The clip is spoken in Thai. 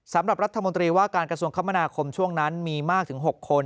สำหรับรัฐมนตรีว่าการกระทรวงคมนาคมช่วงนั้นมีมากถึง๖คน